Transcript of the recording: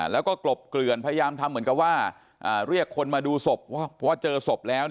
แล้วก็กลบเกลื่อนพยายามทำเหมือนกับว่าเรียกคนมาดูศพเพราะว่าเจอศพแล้ว